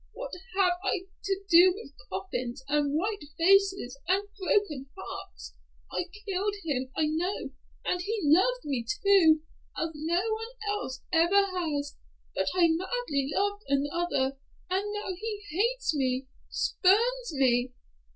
What have I to do with coffins, and white faces, and broken hearts? I killed him, I know, and he loved me, too, as no one else ever has, but I madly loved another, and now he hates me, spurns me!"